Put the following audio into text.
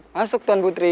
masuk tuan putri